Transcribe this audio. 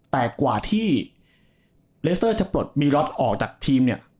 แต่กว่าที่จะปลดออกจากทีมเนี่ย